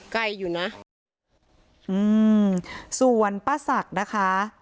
ใกล้อยู่นะอืมส่วนป้าศักดิ์นะคะ